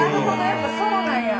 やっぱそうなんや！